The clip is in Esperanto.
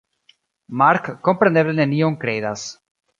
Mark kompreneble nenion kredas.